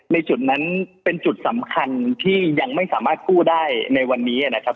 ในจุดนั้นเป็นจุดสำคัญที่ยังไม่สามารถกู้ได้ในวันนี้นะครับ